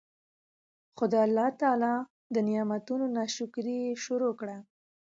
خو د الله تعالی د نعمتونو نا شکري ئي شروع کړه